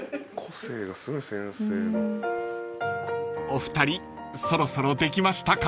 ［お二人そろそろできましたか？］